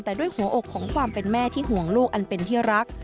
แต่ด้วยหัวอกของความเป็นแม่ที่ห่วงลูกอันเป็นที่รัก